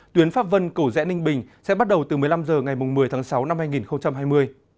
tuyến pháp vân cầu rẽ ninh bình sẽ bắt đầu từ một mươi năm h ngày một mươi tháng sáu năm hai nghìn hai mươi